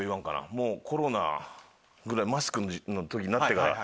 コロナぐらいマスクになってから。